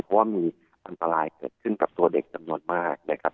เพราะว่ามีอันตรายเกิดขึ้นกับตัวเด็กจำนวนมากนะครับ